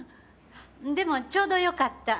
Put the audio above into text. でもちょうどよかった。